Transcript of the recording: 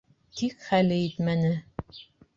Тик хәле етмәне.